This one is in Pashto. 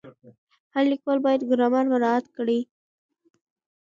هر لیکوال باید ګرامر مراعت کړي.